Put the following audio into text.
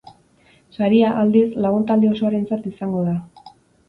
Saria, aldiz, lagun talde osoarentzat izango da.